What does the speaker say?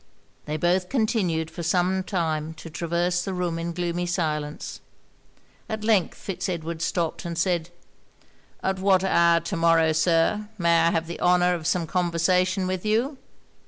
They both continued for some time to traverse the room in gloomy silence. At length Fitz Edward stopped, and said 'At what hour to morrow, Sir, may I have the honour of some conversation with you?'